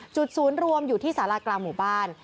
ศูนย์รวมอยู่ที่สารากลางหมู่บ้าน